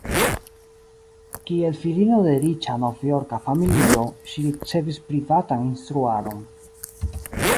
Kiel filino de riĉa Novjorka familio, ŝi ricevis privatan instruadon.